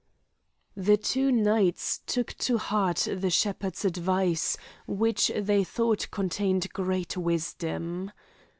The two knights took to heart the shepherd's advice, which they thought contained great wisdom.